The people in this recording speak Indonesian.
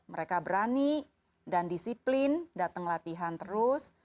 mereka berani dan disiplin datang latihan terus